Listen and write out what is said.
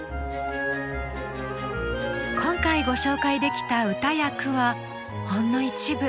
今回ご紹介できた歌や句はほんの一部。